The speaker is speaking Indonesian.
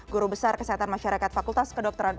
guru besar kesehatan masyarakat fakultas kedokteran